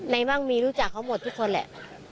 มั่งมีรู้จักเขาหมดทุกคนแหละ